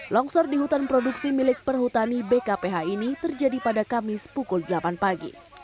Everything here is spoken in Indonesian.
longsor di hutan produksi milik perhutani bkph ini terjadi pada kamis pukul delapan pagi